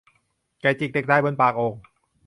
ไก่จิกเด็กตายบนปากโอ่ง